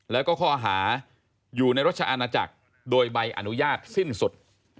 แล้วก็ข้อหาอยู่ในรัชอาณาจักรโดยใบอนุญาตสิ้นสุด